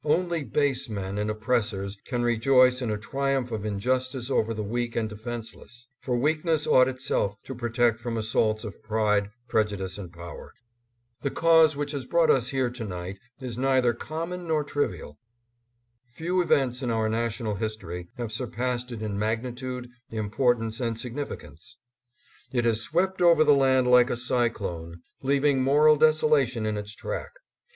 Only base men and oppressors can rejoice in a triumph of injustice over the weak and defenseless ; for weakness ought itself to pro tect from assaults of pride, prejudice and power. The cause which has brought us here to night is neither common nor trivial. Few events in our national history have surpassed it in magnitude, importance and significance. It has swept over the land like a cyclone, leaving moral desolation in its track.